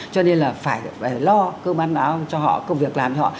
cho nên là phải lo cơ bản nào cho họ công việc làm cho họ